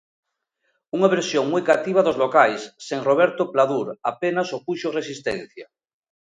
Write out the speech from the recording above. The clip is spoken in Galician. Unha versión moi cativa dos locais, sen Roberto Pladur, apenas opuxo resistencia.